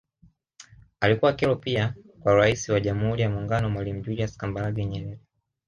Alikuwa kero pia kwa Rais wa Jamhuri ya Muungano Mwalimu Julius Kambarage Nyerere